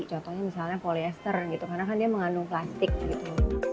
contohnya misalnya polyester gitu karena kan dia mengandung plastik gitu